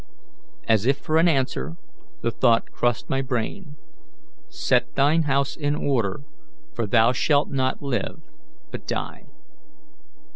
As if for an answer, the thought crossed my brain, 'Set thine house in order, for thou shalt not live, but die.'